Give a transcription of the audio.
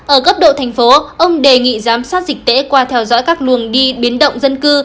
ở cấp độ thành phố ông đề nghị giám sát dịch tễ qua theo dõi các luồng đi biến động dân cư